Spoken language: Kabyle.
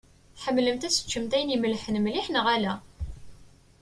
Tḥemmlemt ad teččemt ayen imellḥen mliḥ neɣ ala?